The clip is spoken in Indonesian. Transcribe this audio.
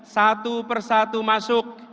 satu persatu masuk